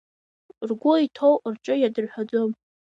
Ргәы иҭоу рҿы иадырҳәаӡом.